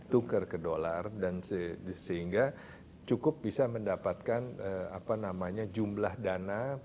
tukar ke dollar dan sehingga cukup bisa mendapatkan apa namanya jumlah dana